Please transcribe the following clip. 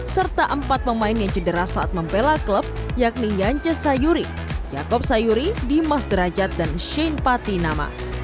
serta empat pemain yang cedera saat membela klub yakni yance sayuri jakob sayuri dimas derajat dan shane patinama